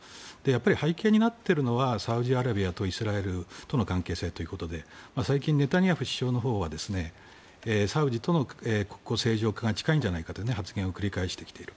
背景になっているのはサウジアラビアとイスラエルとの関係性ということで最近、ネタニヤフ首相のほうはサウジとの国交正常化が近いんじゃないかという発言を繰り返してきている。